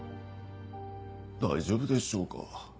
大丈夫でしょうか。